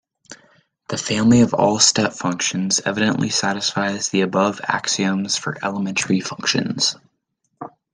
The family of all step functions evidently satisfies the above axioms for elementary functions.